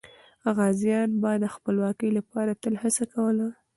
غازیان به د خپلواکۍ لپاره تل هڅه کوله.